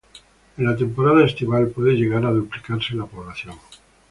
En la temporada estival puede llegar a duplicarse la población.